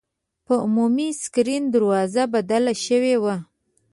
په عمومي سکرین دروازه بدله شوې وه.